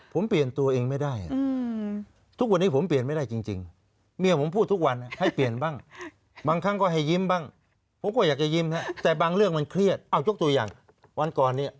ผมเปลี่ยนตัวเองไม่ได้